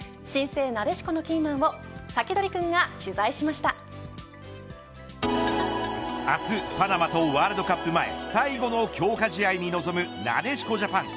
新生なでしこのキーマンを明日、パナマとワールドカップ前最後の強化試合に臨むなでしこジャパン。